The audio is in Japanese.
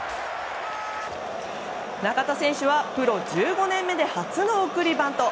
中田選手はプロ１５年目で初の送りバント。